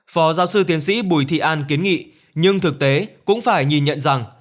phó giáo sư tiến sĩ bùi thị an kiến nghị nhưng thực tế cũng phải nhìn nhận rằng